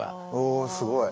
おすごい。